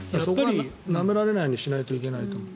舐められないようにしないといけないと思う。